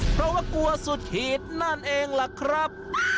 เพราะว่ากลัวสุดขีดนั่นเองล่ะครับ